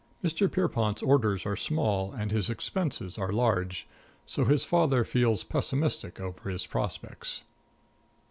Mr. || Pierrepont's orders are || small and his expenses || are large, so his father || feels pessimistic over || his prospects.